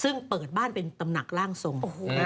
ซึ่งเปิดบ้านเป็นตำหนักร่างทรง